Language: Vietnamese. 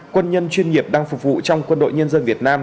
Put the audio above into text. quân nhân chuyên nghiệp đang phục vụ trong quân đội nhân dân việt nam